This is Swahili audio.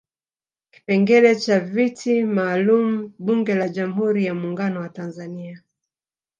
Kipengele cha viti maalum Bunge la Jamhuri ya Muungano wa Tanzania